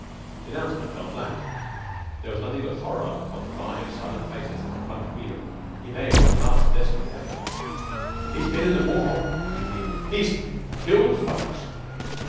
The announcement fell flat. There was nothing but horror upon the five silent faces that confronted William. He made a last desperate effort. "He's bin in the war," he pleaded. "He's killed folks."